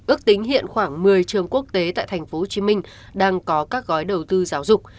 ước tính hiện khoảng một mươi trường quốc tế tại tp hcm đang có các gói đầu tư giáo dục